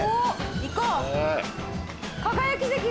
いこう！